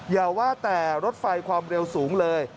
อย่าว่าแต่รถไฟความเร็วสูงเลย